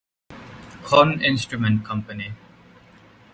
Conn instrument company.